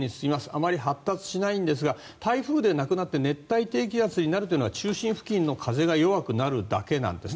あまり発達しないんですが台風でなくなって熱帯低気圧になるというのは中心付近の風が弱くなるだけなんです。